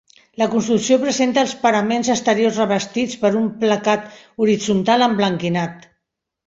La construcció presenta els paraments exteriors revestits per un placat horitzontal emblanquinat.